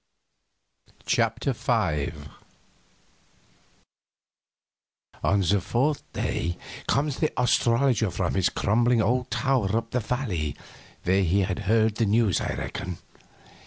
CHAPTER V On the fourth day comes the astrologer from his crumbling old tower up the valley, where he had heard the news, I reckon.